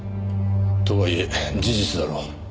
とはいえ事実だろ。